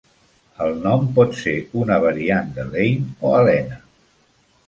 El nom pot ser una variant d'Elaine o Elena.